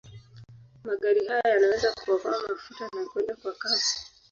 Magari haya yanaweza kuokoa mafuta na kwenda kwa kasi.